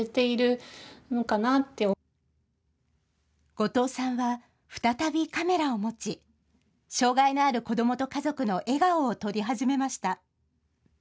後藤さんは、再びカメラを持ち障害のある子どもと家族の笑顔を撮り始めました。